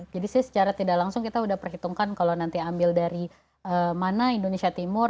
jadi sih secara tidak langsung kita sudah perhitungkan kalau nanti ambil dari mana indonesia timur